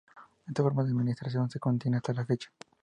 Esta forma de administración se mantiene hasta la fecha.